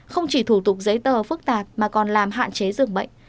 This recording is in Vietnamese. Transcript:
không chỉ thủ tục giấy tờ phức tạp mà còn làm hạn chế dường bệnh